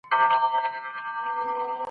واکسین بدن د میکروب پر وړاندې روزي.